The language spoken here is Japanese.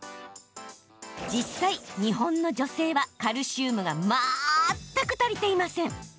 実際、日本の女性はカルシウムが全く足りていません。